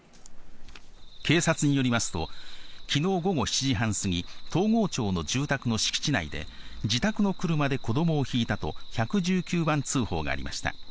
警察によりますと、きのう午後７時半過ぎ、東郷町の住宅の敷地内で自宅の車で子どもをひいたと１１９番通報がありました。